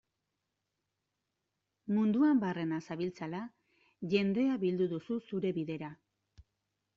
Munduan barrena zabiltzala, jendea bildu duzu zure bidera.